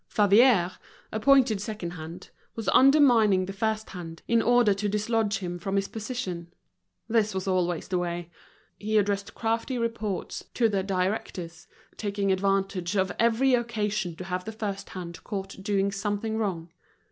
Favier, appointed second hand, was undermining the first hand, in order to dislodge him from his position. This was always the way; he addressed crafty reports to the directors, taking advantage of every occasion to have the first hand caught doing something wrong.